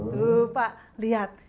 tuh pak liat